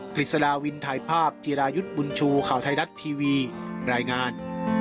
กฤษฎาวินถ่ายภาพจิรายุทธ์บุญชูข่าวไทยรัฐทีวีรายงาน